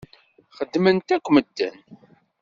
Xedmen-t akk medden.